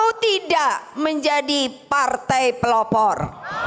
oh tidak menjadi partai pelopor